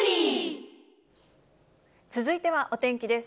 続いてはお天気です。